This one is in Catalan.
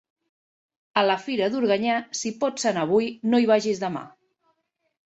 A la fira d'Organyà, si hi pots anar avui no hi vagis demà.